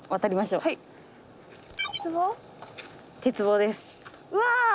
うわ！